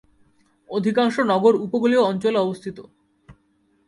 অধিকাংশ নগর উপকূলীয় অঞ্চলে অবস্থিত।